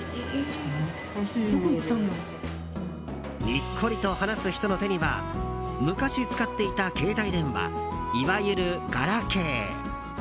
にっこりと話す人の手には昔使っていた携帯電話いわゆるガラケー。